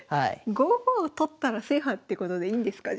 ５五を取ったら制覇ってことでいいんですか？